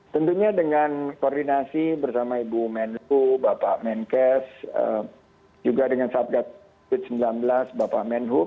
tentunya dengan koordinasi bersama ibu menhu bapak menkes juga dengan sabdak covid sembilan belas bapak menhub